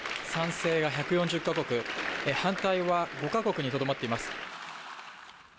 賛成が１４０か国、反対は５カ国にとどまっています。